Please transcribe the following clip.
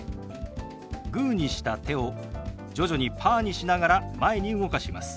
グーにした手を徐々にパーにしながら前に動かします。